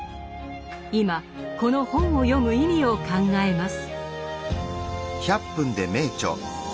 今この本を読む意味を考えます。